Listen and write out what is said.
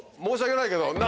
申し訳ないけど。